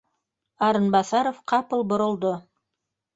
Арынбаҫаров ҡапыл боролдо: